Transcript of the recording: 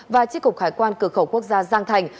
và chiếc cục khải quan cửa khẩu quốc gia giang thành